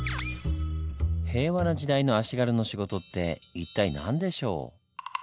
平和な時代の足軽の仕事って一体何でしょう？